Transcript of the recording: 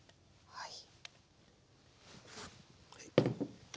はい。